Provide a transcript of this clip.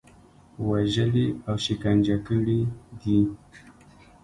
وژلي او شکنجه کړي دي.